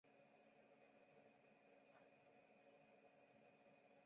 原韩国名为朴庆培。